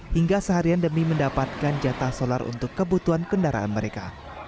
hingga seharian demi mendapatkan jatah solar untuk kebutuhan kendaraan mereka